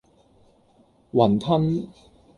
餛飩